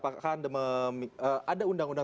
akan ada undang undang